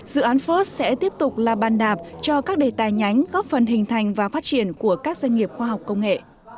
dự án first sẽ tiếp tục là ban đạp cho các đề tài nhánh góp phần hình thành và phát triển của các doanh nghiệp khoa học công nghệ